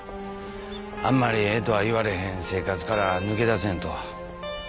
あんまりええとは言われへん生活から抜け出せんと。